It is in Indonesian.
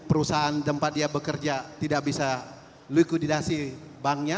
perusahaan tempat dia bekerja tidak bisa likuidasi banknya